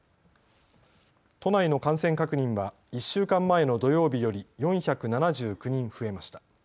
都内の感染確認は１週間前の土曜日より４７９人増えました。